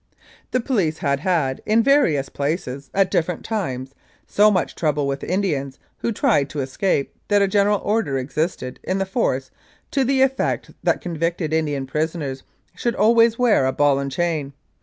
The police had had in various places, at different times, so much trouble with Indians who tried to escape that a General Order existed in the Force to the effect that convicted Indian prisoners should always wear a ball and chain.